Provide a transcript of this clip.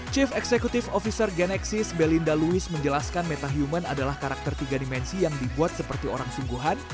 chief executive officer genexis belinda louis menjelaskan metahuman adalah karakter tiga dimensi yang dibuat seperti orang sungguhan